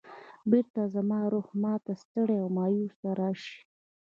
بېرته زما روح ما ته ستړی او مایوسه راشي.